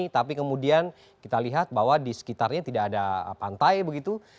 tapi kemudian kita lihat bahwa di sekitarnya tidak ada pantai begitu